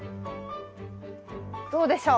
どうでしょう？